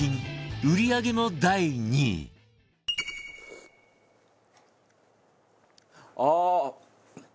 売り上げも第２位ああー。